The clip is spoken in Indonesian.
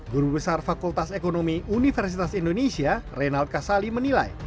guru besar fakultas ekonomi universitas indonesia reynald kasali menilai